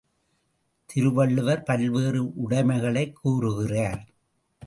திருவள்ளுவர் பல்வேறு உடைமைகளைக் கூறுகிறார்.